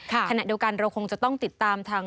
ขณะเดียวกันเราคงจะต้องติดตามทาง